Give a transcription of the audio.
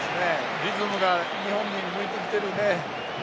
リズムが日本に巡ってきているね。